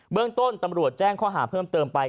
เรื่องต้นตำรวจแจ้งข้อหาเพิ่มเติมไป